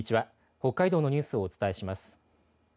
北海道のニュースをお伝えします。